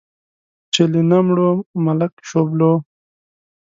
چې له نه مړو، ملک شوبلو.